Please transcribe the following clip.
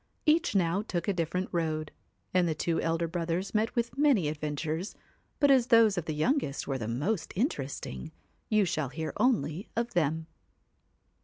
Each now took a different road, and the two elder brothers met with many adventures ; but as those of the youngest were the most interesting, you shall hear only of them.